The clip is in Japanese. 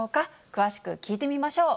詳しく聞いてみましょう。